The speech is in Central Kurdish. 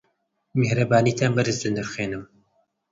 میهرەبانیتان بەرز دەنرخێنم.